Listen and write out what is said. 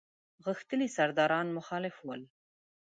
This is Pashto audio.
غښتلي سرداران مخالف ول.